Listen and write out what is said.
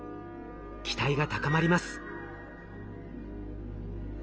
期待が高まります。